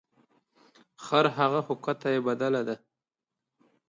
خرهغه خو کته یې بدله ده .